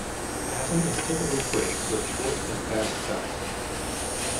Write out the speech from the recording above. Passing is typically quick, with short and fast cuts.